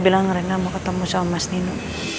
bilang rena mau ketemu sama mas nino